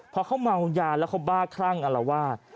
พอเขาเมายาแล้วเขาบ้าคลั่งอารวาส